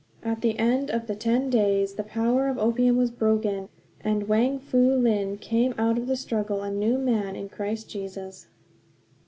At the end of the ten days the power of opium was broken, and Wang Fu Lin came out of the struggle a new man in Christ Jesus.